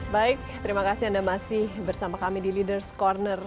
baik terima kasih anda masih bersama kami di leaders' corner